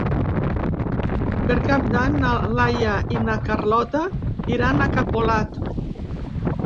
Per Cap d'Any na Laia i na Carlota iran a Capolat.